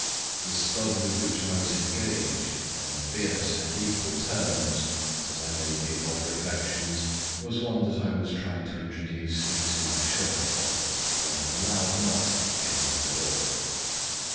The stud with which I was engaged (on fierce and equal terms) as I made the above reflections, was one which I was trying to introduce into my shirt collar when a loud knock came at the door.